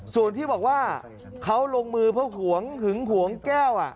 ส่วนที่บอกว่าเขาลงมือเพราะหวงหึงหวงแก้ว